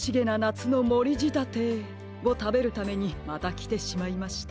つのもりじたてをたべるためにまたきてしまいました。